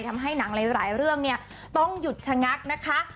ทำให้หนังหลายเรื่องเนี่ยต้องหยุดชะงักนะคะ